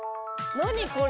何これ。